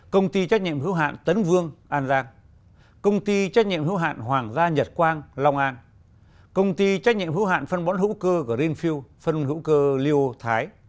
công ty trách nhiệm hữu hạn tấn vương công ty trách nhiệm hữu hạn hoàng gia nhật quang công ty trách nhiệm hữu hạn phân bón hữu cơ greenfield